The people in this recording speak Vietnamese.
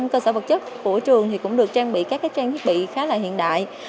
cơ sở vật chất của trường cũng được trang bị các trang thiết bị khá là hiện đại